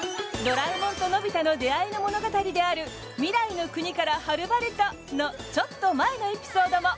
ドラえもんとのび太の出会いの物語である「未来の国からはるばると」のちょっと前のエピソードも。